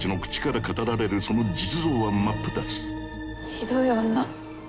ひどい女。